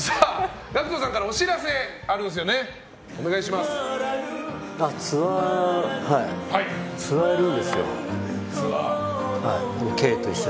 ＧＡＣＫＴさんからお知らせあるんですよね。